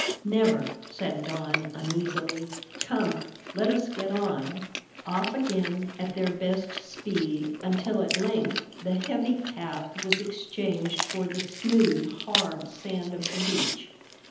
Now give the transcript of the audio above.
"Never," said Don uneasily. "Come, let us get on!" Off again at their best speed, until at length the heavy path was exchanged for the smooth, hard sand of the beach.